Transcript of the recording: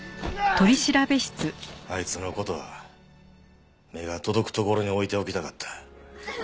あいつの事は目が届くところに置いておきたかった。